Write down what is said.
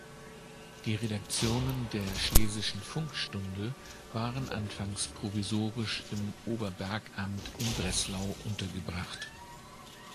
Die Redaktionen der Schlesischen Funkstunde waren anfangs provisorisch im Oberbergamt in Breslau untergebracht.